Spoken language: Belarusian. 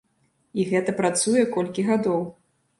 І гэта працуе колькі гадоў.